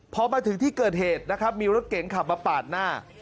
พอมาถึงที่เกิดเหตุนะครับมีรถเก๋งขับมาปาดหน้า